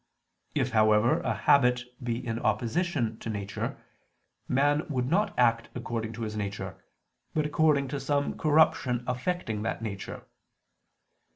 If, however, a habit be in opposition to nature, man would not act according to his nature, but according to some corruption affecting that nature.